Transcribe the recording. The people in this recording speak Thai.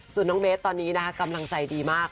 ส่วนน้องเบสตอนนี้นะคะกำลังใจดีมาก